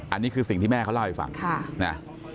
อันนี้คือสิ่งที่แม่เขาเล่าให้ฟังนะ